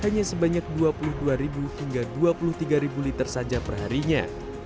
hanya sebanyak dua puluh dua hingga dua puluh tiga liter saja perharinya